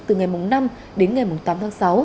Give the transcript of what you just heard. từ ngày năm đến ngày tám tháng sáu